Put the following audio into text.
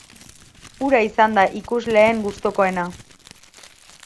Hura izan da ikusleen gustukoena.